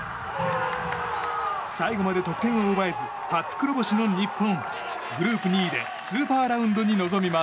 最後まで得点を奪えず初黒星の日本。